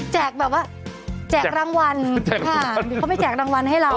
แบบว่าแจกรางวัลค่ะเขาไปแจกรางวัลให้เรา